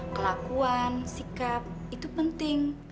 kelakuan sikap itu penting